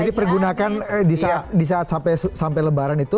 jadi pergunakan di saat sampai lebaran itu